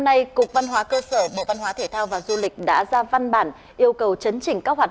hôm nay cục văn hóa cơ sở bộ văn hóa thể thao và du lịch đã ra văn bản yêu cầu chấn chỉnh các hoạt